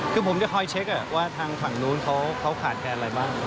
คือผมจะคอยเช็คว่าทางฝั่งนู้นเขาขาดแคลนอะไรบ้าง